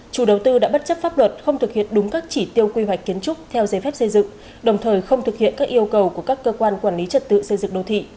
chủ đầu tư đã bất chấp pháp luật